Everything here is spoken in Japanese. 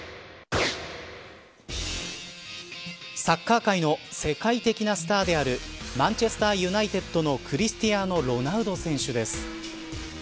サッカー界の世界的なスターであるマンチェスター・ユナイテッドのクリスティアーノ・ロナウド選手です。